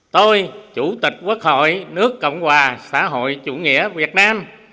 tôi chủ tịch quốc hội nước cộng hòa xã hội chủ nghĩa việt nam